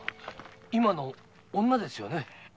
今のは女ですね。